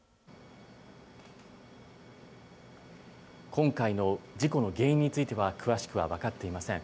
今回の事故の原因については詳しくは分かっていません。